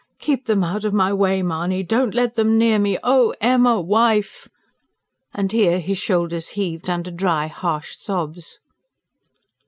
Keep them out of my way, Mahony! Don't let them near me. Oh, Emma... wife!" and here his shoulders heaved, under dry, harsh sobs.